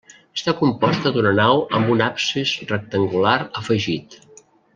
Està composta d'una nau amb un absis rectangular afegit.